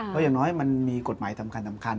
ก็อย่างน้อยมันมีกฎหมายอำนับการสำคัญ